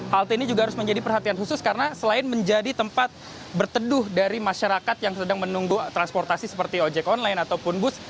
halte ini juga harus menjadi perhatian khusus karena selain menjadi tempat berteduh dari masyarakat yang sedang menunggu transportasi seperti ojek online ataupun bus